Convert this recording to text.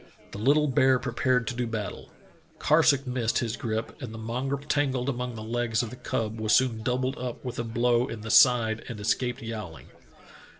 The little bear prepared to do battle. Karsuk missed his grip and the mongrel tangled among the legs of the cub was soon doubled up with a blow in the side and es caped yowling.